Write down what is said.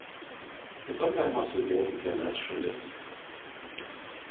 Taip pat galima sudėti kelias šalis.